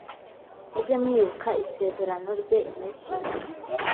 mujye mwibuka isezerano rye iminsi yose